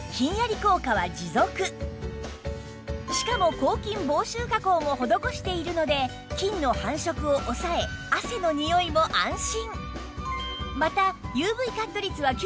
しかも抗菌防臭加工も施しているので菌の繁殖を抑え汗のにおいも安心